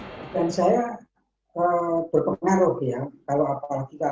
dan saya berpengaruh ya kalau apalagi merah merah pekat